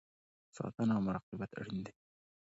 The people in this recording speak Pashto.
ساتنه او مراقبت اړین دی